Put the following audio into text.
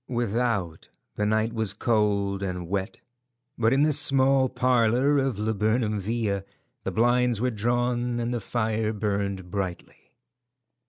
Without, the night was cold and wet, but in the small parlour of Laburnam Villa the blinds were drawn and the fire burned brightly.